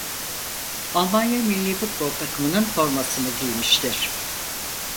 Almanya millî futbol takımının formasını giymiştir.